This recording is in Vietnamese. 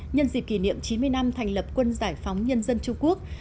nhân dịp kỷ niệm chín mươi năm thành lập quân giải phóng nhân dân trung quốc